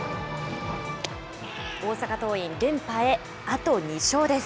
大阪桐蔭、連覇へあと２勝です。